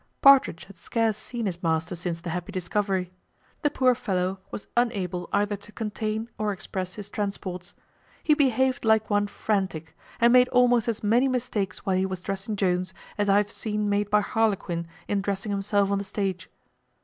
Partridge had scarce seen his master since the happy discovery. The poor fellow was unable either to contain or express his transports. He behaved like one frantic, and made almost as many mistakes while he was dressing Jones as I have seen made by Harlequin in dressing himself on the stage.